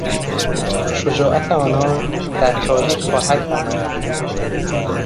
شجاعت آنان در تاریخ خواهد آمد.